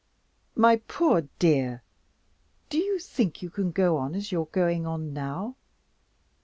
My poor dear, do you think you can go on as you are going on now?